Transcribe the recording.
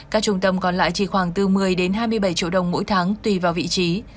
các trung tâm còn lại chỉ khoảng bốn mươi hai mươi bảy triệu đồng mỗi tháng tùy vào vị trí